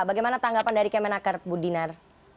bagaimana tanggapan dari kemenaker bu dinar